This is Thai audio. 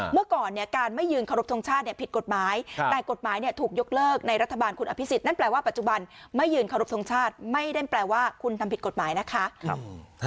เมื่อก่อนเนี่ยการไม่ยืนเคารพทงชาติเนี่ยผิดกฎหมายแต่กฎหมายเนี่ยถูกยกเลิกในรัฐบาลคุณอภิษฎนั่นแปลว่าปัจจุบันไม่ยืนเคารพทรงชาติไม่ได้แปลว่าคุณทำผิดกฎหมายนะคะ